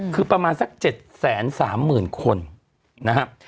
คือประมาณสัก๗๓๐๐๐คนนะครับ